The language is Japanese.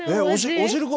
お汁粉？